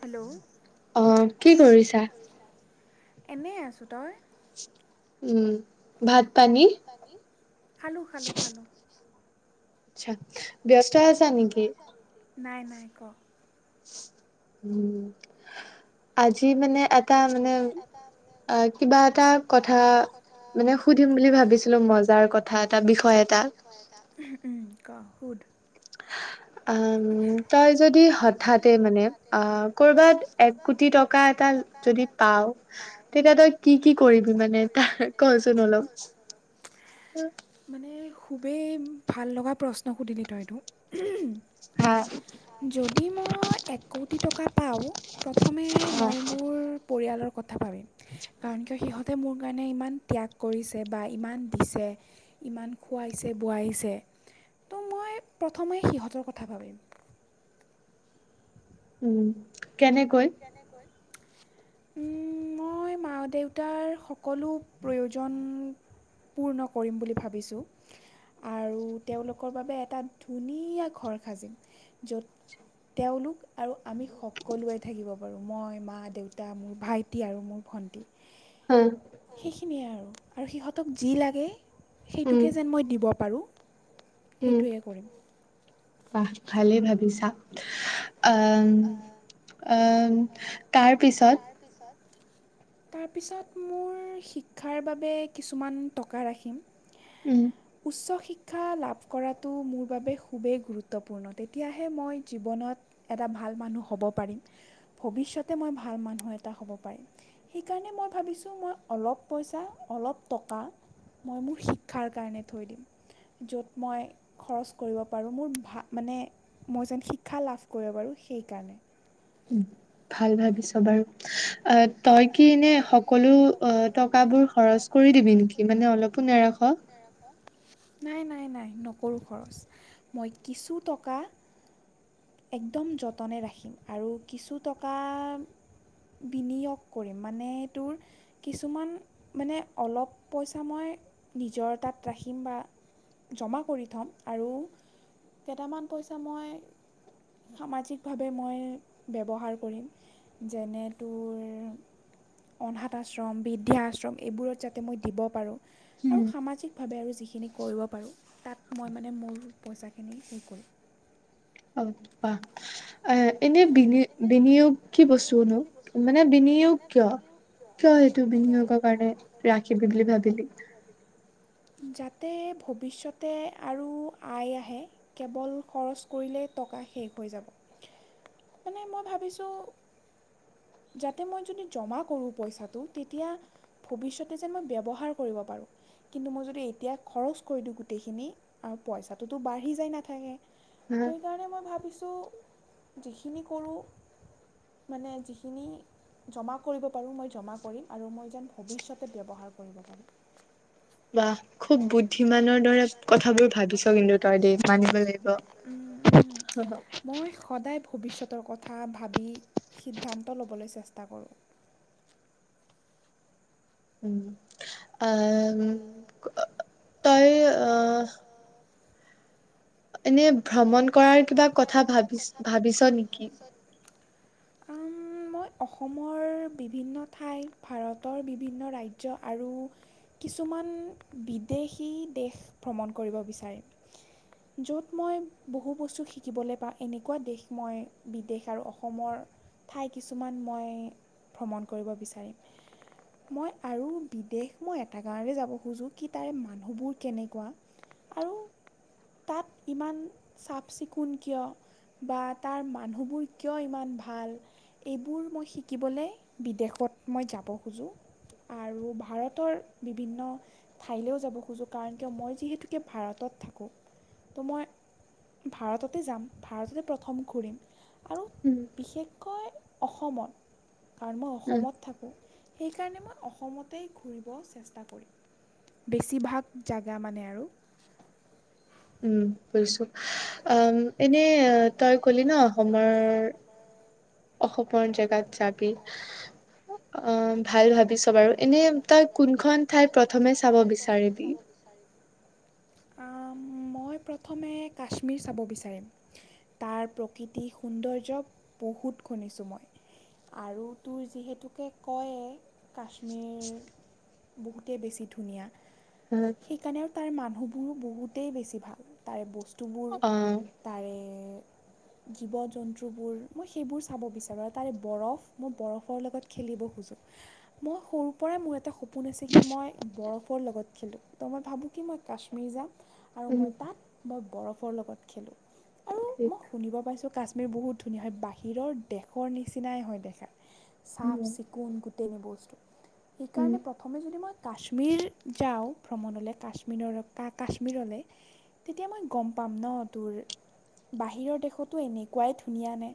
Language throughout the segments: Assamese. হেল্লু? এনে আছো। তই? উম ভাত ভাত পানী? খালো খালো খালো। আচ্ছা। বেষ্ট আছা নেকি? নাই নাই ক উম আজি মানে এটা মানে অ' কিবা এটা কথা মানে সুধিম বুলি ভাবিছিলো মজাৰ কথা এটা বিষয় এটা? ক, সোধ? তই যদি হঠাতে, মানে ক'ৰবাত এক কোটি টকা এটা, যদি পাৱ, তেতিয়া তই কি কি কৰিবি মানে তাৰ কচোন অলপ? উম [unintelligible] মানে খুবেই ভাল লগা প্ৰশ্ন সুধিলি তই এইটো। হয়। যদি মই এক কোটি টকা পাওঁ। প্ৰথমে মই মোৰ পৰিয়ালৰ কথা ভাবিম। কাৰণ কিয় সিহঁত তে মোৰ কাৰণে ইমান ত্যাগ কৰিছে বা ইমান দিছে ইমান খোৱাইছে বোৱাইছে ত' মই প্ৰথমে সিহঁতৰ কথা ভাবিম। উম, কেনেকৈ? মই মা দেউতাৰ সকলো প্ৰয়োজন পূৰ্ণ কৰিম বুলি ভাবিছোঁ। আৰু তেওঁলোকৰ বাবে এটা ধুনীয়া ঘৰ সাজিম য'ত তেওঁলোক আৰু আমি সকলোৱে থাকিব পাৰোঁ, মই, মা, দেউতা, মোৰ ভাইটি আৰু মোৰ ভণ্টি। হু। সেইখিনিয়ে আৰু, আৰু সিহঁতক যি লাগে সেইটোকে যেন মই দিব পাৰোঁ। সেইটোৱে কৰিম। বাহ, ভালেই ভাবিছা। আহ আ, তাৰপিছত পিছত তাৰপিছত মোৰ শিক্ষাৰ বাবে কিছুমান টকা ৰাখিম। উম। উচ্চ শিক্ষা লাভ কৰাটো মোৰ বাবে খুবেই গুৰুত্বপূৰ্ণ, তেতিয়াহে মই জীৱনত এটা ভাল মানুহ হ'ব পাৰিম, ভৱিষ্যতে মই ভাল মানুহ এটা হ'ব পাৰিম। সেইকাৰণে মই ভাবিছোঁ মই অলপ পইচা, অলপ টকা মই মোৰ শিক্ষাৰ কাৰণে থৈ দিম। য'ত মই খৰচ কৰিব পাৰোঁ, মোৰ ভা মানে মই যেন শিক্ষা লাভ কৰিব পাৰোঁ সেইকাৰণে। ভাল ভাবিছ বাৰু। আ তই কি এনে সকলো অ' টকাবোৰ খৰচ কৰি দিবি নেকি মানে অলপো নেৰাখ? নাই নাই নাই নকৰোঁ খৰচ। মই কিছু টকা একদম যতনে ৰাখিম আৰু কিছু টকা বিনিয়োগ কৰিম মানে তোৰ কিছুমান মানে অলপ পইচা মই নিজৰ তাত ৰাখিম বা জমা কৰি থ'ম আৰু কেইটামান পইচা মই সামাজিকভাৱে মই ব্যৱহাৰ কৰিম যেনে তোৰ অনাথ আশ্ৰম, বৃদ্ধা আশ্ৰম এইবোৰত যাতে মই দিব পাৰোঁ। আৰু সামাজিকভাৱে আৰু যিখিনি কৰিব পাৰোঁ তাত মই মানে মোৰ পইচাখিনি হেৰি কৰিম। [unintelligible] এ, এনে বিনি বিনিয়োগ কি বস্তুনো, মানে বিনিয়োগ কিয়? কিয় এইটো বিনিয়োগৰ কাৰণে ৰাখিবি বুলি ভাবিলি? যাতে ভৱিষ্যতে আৰু আয় আহে। কেৱল খৰচ কৰিলেই টকা শেষ হৈ যাব। মানে মই ভাবিছোঁ যাতে মই যদি জমা কৰোঁ পইচাটো তেতিয়া ভৱিষ্যতে যেন মই ব্যৱহাৰ কৰিব পাৰোঁ। কিন্তু মই যদি এতিয়া খৰচ কৰি দিওঁ গোটেইখিনি আৰু পইচাটোতো বাঢ়ি যায় নাথাকে। ত' সেইকাৰণে মই ভাবিছোঁ যিখিনি কৰোঁ মানে যিখিনি জমা কৰিব পাৰোঁ মই জমা কৰিম আৰু মই যেন ভৱিষ্যতে ব্যৱহাৰ কৰিব পাৰোঁ। বাহ, খুব বুদ্ধিমানৰ দৰে কথাবোৰ ভাবিছ কিন্তু তই দে, মানিব লাগিব। উম উম মই, সদায় ভৱিষ্যতৰ কথা ভাবি সিদ্ধান্ত ল'বলৈ চেষ্টা কৰোঁ। এ তই অ, এনে ভ্ৰমণ কৰাৰ কিবা কথা ভাবি ভাবিছ নেকি। [inaudible] মই অসমৰ বিভিন্ন ঠাই ভাৰতৰ বিভিন্ন ৰাজ্য আৰু কিছুমান বিদেশী দেশ ভ্ৰমণ কৰিব বিচাৰিম। য'ত মই বহু বস্তু শিকিবলৈ পাওঁ এনেকুৱা দেশ মই বিদেশ আৰু অসমৰ। ঠাই কিছুমান মই ভ্ৰমণ কৰিব বিচাৰিম। মই আৰু বিদেশ মই এটা কাৰণে যাব খোজোঁ কি তাৰে মানুহবোৰ কেনেকুৱা। আৰু তাত ইমান চাফ চিকুণ কিয়। বা তাৰ মানুহবোৰ কিয় ইমান ভাল। এইবোৰ মই শিকিবলৈ বিদেশত মই যাব খোজোঁ। আৰু ভাৰতৰ বিভিন্ন, ঠাইলৈও যাব খোজোঁ কাৰণ কিয় মই যিহেতুকে ভাৰতত থাকোঁ ত মই, ভাৰততে যাম ভাৰততে প্ৰথম ঘূৰিম আৰু বিশেষকৈ অসমত, কাৰণ মই অসমত থাকোঁ সেইকাৰণে মই অসমতেই ঘূৰিব চেষ্টা কৰিম। বেছিভাগ জেগা মানে আৰু উম বুজিছো। অ এনে তই কলি ন অসমৰ অসমৰ জেগাত যাবি অ ভাল ভাব ভাবিছ বাৰু এনে তই কোনখন ঠাইত প্ৰথমে চাব বিচাৰিবি। [inaudible] মই প্ৰথমে কাশ্মীৰ চাব বিচাৰিম। তাৰ প্ৰকৃতি সৌন্দৰ যব বহুত শুনিছোঁ মই। আৰু তোৰ যিহেতুকে কয় কাশ্মীৰ বহুতেই বেছি ধুনীয়া। উম, সেইকাৰণেও তাৰ মানুহবোৰো বহুতেই বেছি ভাল তাৰে বস্তুবোৰ। তাৰে জীৱ জন্তুবোৰ মই সেইবোৰ চাব বিচাৰোঁ আৰু তাৰে বৰফ মই বৰফৰ লগত খেলিব খোজোঁ। মই সৰুৰ পৰাই মোৰ এটা সপোন আছে কি মই বৰফৰ লগত খেলোঁ ত মই ভাবোঁ কি মই কাশ্মীৰ যাম। আৰু মই তাত মই বৰফৰ লগত খেলো। আৰু মই শুনিব পাইছোঁ কাশ্মীৰ বহুত ধুনীয়া হয় বাহিৰৰ দেশৰ নিচিনাই হয় দেখাত। চাফ চিকুণ গোটেই খিনি বস্তু সেইকাৰণে প্ৰথমে যদি মই কাশ্মীৰ যাওঁ ভ্ৰমণলৈ কাশ্মীৰৰ বা কাশ্মীৰলে। তেতিয়া মই গম পাম ন তোৰ বাহিৰৰ দেশতো এনেকুৱাই ধুনীয়া নে।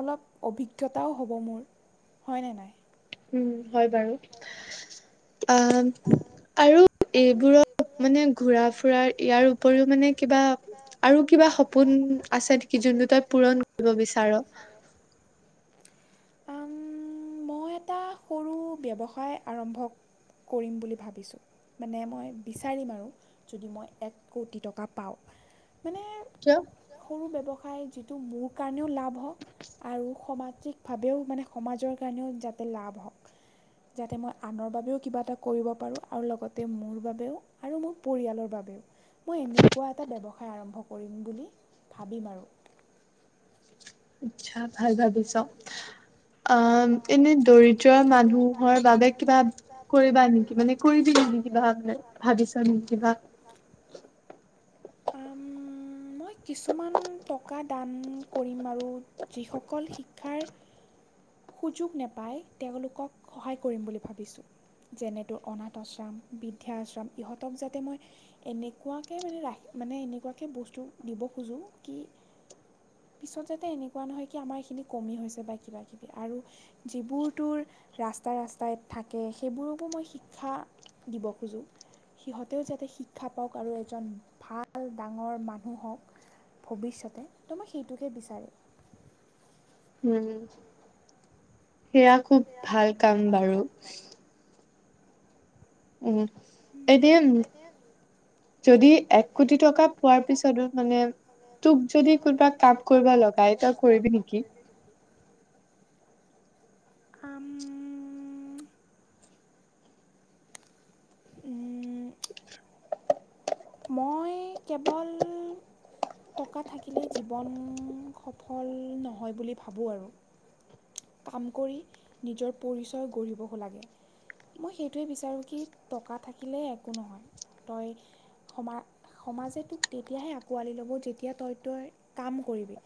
অলপ অভিজ্ঞতাও হ'ব মোৰ হয়নে নাই। উম হয় বাৰু অ আৰু এইবোৰৰ মানে ঘূৰা ফুুৰাৰ ইয়াৰ, উপৰিও মানে কিবা আৰু কিবা সপোন আছে নেকি যোনটো তই পূৰণ কৰিব বিচাৰ। মই এটা সৰু ব্যৱসায় আৰম্ভ কৰিম বুলি ভাবিছোঁ মানে মই বিচাৰিম আৰু যদি মই এক কৌটি টকা পাওঁ মানে কিয় সৰু ব্যৱসায় যিটো মোৰ কাৰণেও লাভ হওক আৰু সমাজিকভাৱেও মানে সমাজৰ কাৰণেও যাতে লাভ হওক যাতে মই আনৰ বাবেও কিবা এটা কৰিব পাৰোঁ আৰু লগতে মোৰ বাবেও আৰু মোৰ পৰিয়ালৰ বাবেও মই এনেকুৱা এটা ব্যৱসায় আৰম্ভ কৰিম বুলি ভাবিম আৰু আচ্ছা ভাল ভাবিছ অ' এনে দৰিদ্ৰ মানুহৰ বাবে কিবা কৰিবা নেকি মানে কৰিবি নে কিবা মানে ভাবিছ নে কিবা [inaudible] মই কিছুমান টকা দান কৰিম আৰু যিসকল শিক্ষাৰ সুযোগ নাপাই তেওঁলোকক সহায় কৰিম বুলি ভাবিছোঁ যেনে তোৰ অনাথ আশ্ৰম বৃদ্ধা আশ্ৰম ইহঁতক যাতে মই এনেকুৱাকে মানে ৰাখ মানে এনেকুৱাকে বস্তু দিব খোজোঁ কি পিছত যাতে এনেকুৱা নহয় কি আমাৰ এইখিনি কমি হৈছে বা কিবা কিবি আৰু যিবোৰ তোৰ ৰাস্তাই ৰাস্তাই থাকে সেইবোৰকো মই শিক্ষা দিব খোজোঁ সিহঁতেও যাতে শিক্ষা পাওক আৰু এজন ভাল ডাঙৰ মানুহ হওক ভৱিষ্যতে তো মই সেইটোকে বিচাৰেোঁ উম সেয়া খুব ভাল কাম বাৰু উম এদিন যদি এক কোটি টকা পোৱাৰ পিছতো মানে তোক যদি কোনোবা কাম কৰিব লগা এতিয়া কৰিবি নেকি কাম উম মই কেৱল টকা থাকিলেই জীৱন সফল নহয় বুলি ভাবোঁ আৰু কাম কৰি নিজৰ পৰিচয় গঢ়িব লাগে মই সেইটোৱে বিচাৰোঁ কি টকা থাকিলে একো নহয় তই সমা সমাজে তোক তেতিয়াহে আঁকোৱালি ল'ব যেতিয়া তই তই কাম কৰিবি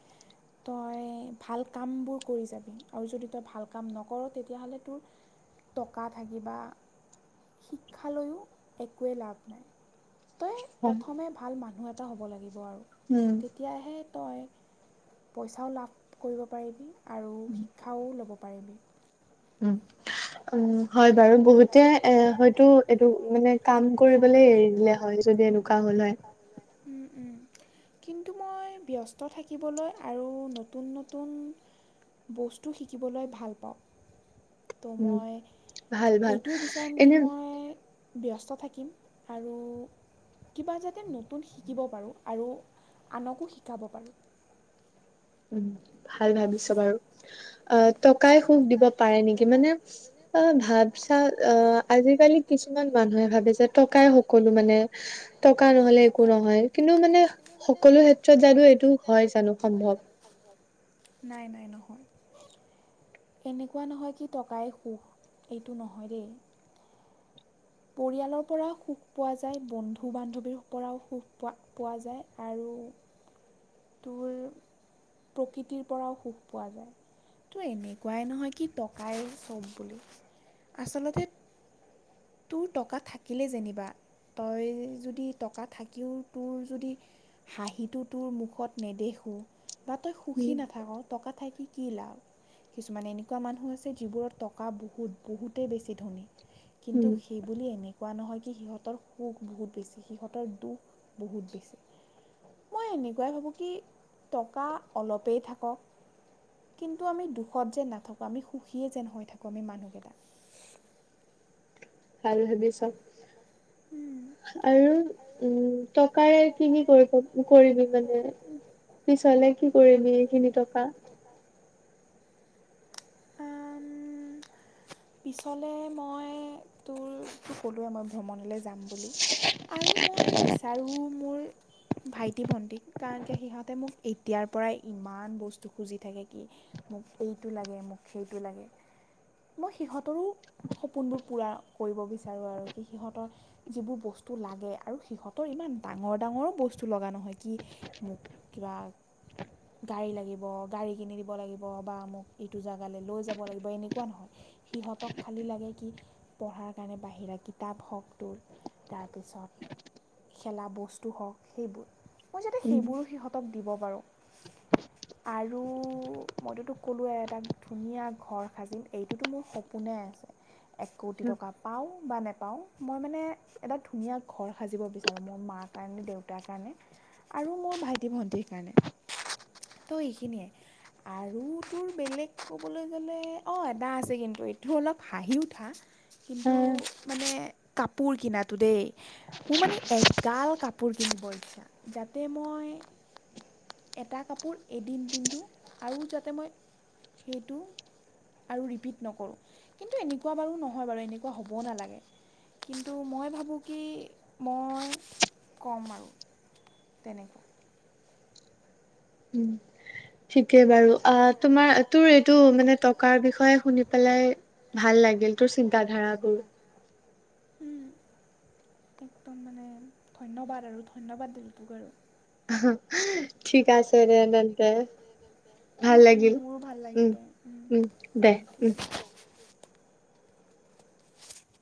তই ভাল কামবোৰ কৰি যাবি আৰু যদি তই ভাল কাম নকৰ তেতিয়াহ'লে তোৰ টকা থাকিবা শিক্ষালৈও একোৱেই লাভ নাই তই প্ৰথমে ভাল মানুহ এটা হ'ব লাগিব আৰু তেতিয়াহে তই পইচাও লাভ কৰিব পাৰিবি আৰু শিক্ষাও ল'ব পাৰিবি উম হয় বাৰু বহুতে এ হয়তো এইটো মানে কাম কৰিবলে এৰি দিলে হয় যদি এনেকুৱা হ'ল হয় উম উম কিন্তু মই ব্যস্ত থাকিবলৈ আৰু নতুন নতুন বস্তু শিকিবলৈ ভাল পাওঁ ত' মই এইটোও বিচাৰিম কি মই ব্যস্ত থাকিম আৰু কিবা যাতে নতুন শিকিব পাৰোঁ আৰু আনকো শিকাব পাৰোঁ উ ভাল ভাবিছ বাৰু আ টকাই সুখ দিব পাৰে নেকি মানে অ ভাব চা আহ আজিকালি কিছুমান মানুহে ভাবে যে টকাই সকলো মানে। টকা নহলে একো নহয়। কিন্তু মানে সকলো ক্ষেত্ৰত জানো এইটো হয় জানো সম্ভৱ। সম্ভৱ। নাই নাই নহয়। এনেকুৱা নহয় কি টকাই সুখ এইটো নহয় দেই। পৰিয়ালৰ পৰাও সুখ পোৱা যায়, বন্ধু বান্ধৱীৰ পৰাও সুখ পোৱা- পোৱা যায়। আৰু- তোৰ প্ৰকৃতিৰ পৰাও সুখ পোৱা যায়। ত' এনেকুৱাই নহয় কি টকাই চব বুলি। আচলতে- তোৰ টকা থাকিলেই যেনিবা, তই যদি টকা থাকিও তোৰ যদি- হাঁহিটো তোৰ মুখত নেদেখোঁ বা তই সুখী নাথাক- টকা থাকি কি লাভ? কিছুমান এনেকুৱা মানুহ আছে যিবোৰত টকা বহুত বহুতেই বেছি ধনী। কিন্তু সেই- বুলি এনেকুৱা নহয় কি সিহঁতৰ সুখ বহুত বেছি সিহঁতৰ দুখ বহুত বেছি। মই এনেকুৱাই ভাবোঁ কি টকা অলপই থাকক- কিন্তু আমি দুখত যে নাথাকোঁ আমি সুখীয়েই যেন হৈ থাকোঁ আমি মানুহকেইটা। আৰু হেভি চব- আৰু উম টকাৰ কি কৰিব কৰিবি মানে? পিছলে কি কৰিবি এইখিনি টকা? পিছলে মই তোৰ টো ক'লোৱে মই ভ্ৰমণলে যাম বুলি। আৰু মই বিচাৰোঁ মোৰ- ভাইটি ভণ্টিক কাৰণ কি সিহঁতে মোক এতিয়াৰ পৰাই ইমান বস্তু খুজি থাকে। কি- মোক এইটো লাগে মোক সেইটো লাগে। মই সিহঁতৰো সপোনবোৰ পূৰা কৰিব বিচাৰোঁ আৰু কি সিহঁতৰ- যিবোৰ বস্তু লাগে আৰু সিহঁতৰ ইমান ডাঙৰ ডাঙৰো বস্তু লগা নহয়। কি- মোক কিবা- গাড়ী লাগিব গাড়ী কিনি দিব লাগিব বা মোক এইটো জাগালৈ লৈ যাব লাগিব এনে- কোৱা নহয়। সিহঁতক খালী লাগে কি পঢ়াৰ কাৰণে বাহিৰা কিতাপ হওক তোৰ- তাৰপিছত- খেলা বস্তু হওক সেইবোৰ। মই যাতে সেইবোৰো সিহঁতক দিব পাৰোঁ। আৰু মইততো ক'লোৱে এটা ধুনীয়া ঘৰ সাজিম। এইটোতো মোৰ সপোনে আছে এক কোটি টকা পাওঁ বা নোপাওঁ মই মানে- এটা ধুনীয়া ঘৰ সাজিব বিচাৰোঁ মোৰ মাৰ কাৰণে দেউতাৰ কাৰণে। আৰু মোৰ ভাইটি ভণ্টিৰ কাৰণে। তো এইখিনিয়ে আৰু তোৰ বেলেগ ক'বলৈ গ'লে- অঁ এটা আছে কিন্তু এইটো অলপ হাঁহি উঠা। কিন্তু মানে কাপোৰ কিনাতো দেই। মোৰ মানে এগাল কাপোৰ কিনিব ইচ্ছা, যাতে মই- এটা কাপোৰ এদিন পিন্ধো আৰু যাতে মই সেইটো- আৰু ৰিপিট নকৰোঁ। কিন্তু এনেকুৱা বাৰু নহয় বাৰু এনে- হ'বও নালাগে। কিন্তু মই ভাবোঁ কি মই ক'ম আৰু- তেনেকুৱা। উম। ঠিকেই বাৰু। আঁ তোমাৰ তোৰ এইটো মানে টকাৰ বিষয়ে শুনি পেলাই- ভাল লাগিল তোৰ চিন্তা ধাৰাবোৰ। উমএকদম মানে ধন্যবাদ আৰু ধন্যবাদ দিলোঁ তোক আৰু ঠিক আছে দে তেন্তে ভাল লাগিল উম উম দে উম